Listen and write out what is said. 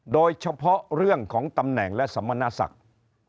โดยเฉพาะเรื่องของตำแหน่งและสมณศักดิ์